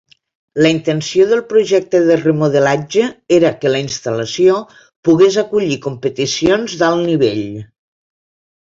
La intenció del projecte de remodelatge era que la instal·lació pogués acollir competicions d'alt nivell.